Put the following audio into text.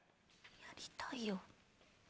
やりたいよ。